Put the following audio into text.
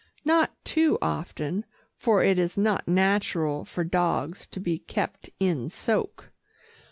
Not too often, for it is not natural for dogs to be kept in soak.